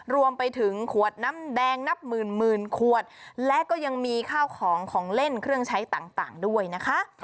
รวมไปถึงขวดน้ำแดงนับหมื่นขวดและก็ยังมีข้าวของของเล่นเครื่องใช้ต่างด้วยนะคะ